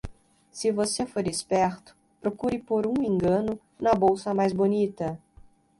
Se você for esperto, procure por um engano na bolsa mais bonita.